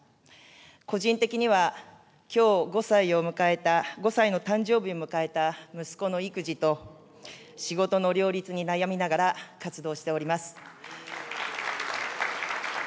個人的にはきょう５歳を迎えた、５歳の誕生日を迎えた息子の育児と、仕事の両立に悩みながら活動しております。